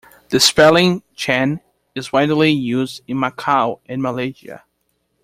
The spelling, Chan, is widely used in Macao and Malaysia.